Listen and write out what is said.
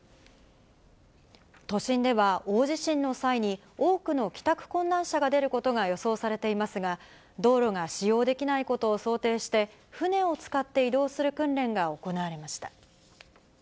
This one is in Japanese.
都心では、大地震の際に、多くの帰宅困難者が出ることが予想されていますが、道路が使用できないことを想定して、船を使って移動する訓練が行われました。